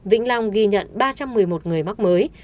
vĩnh long ghi nhận ba trăm một mươi một người mắc mới